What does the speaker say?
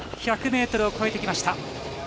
１００ｍを越えてきました。